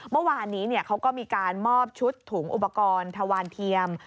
เมื่อวานนี้เขาก็มีการมอบชุดถุงอุปกรณ์ทวานเทียม